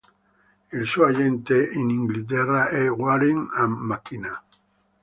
Il suo agente in Inghilterra è Waring and McKenna.